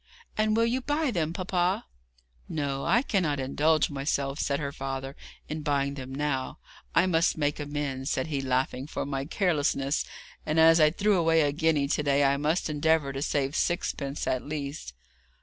'And will you buy them, papa?' 'No, I cannot indulge myself,' said her father, 'in buying them now. I must make amends,' said he, laughing, 'for my carelessness, and as I threw away a guinea to day I must endeavour to save sixpence at least.'